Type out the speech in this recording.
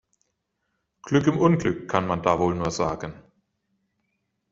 Glück im Unglück, kann man da wohl nur sagen.